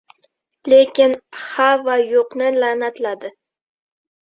lekin “ha va yo‘q”ni la’natladi.